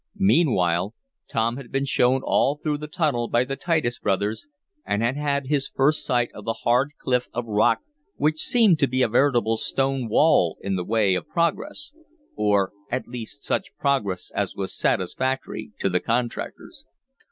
Meanwhile, Tom had been shown all through the tunnel by the Titus Brothers and had had his first sight of the hard cliff of rock which seemed to be a veritable stone wall in the way of progress or at least such progress as was satisfactory to the contractors.